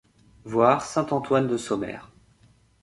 Voir Saint-Antonin-de-Sommaire.